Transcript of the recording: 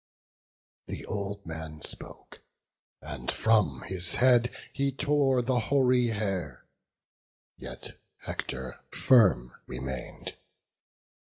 The old man spoke, and from, his head he tore The hoary hair; yet Hector firm remain'd.